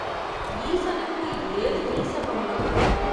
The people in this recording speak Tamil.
ஈசனுக்கு ஏது நீச பங்கம்?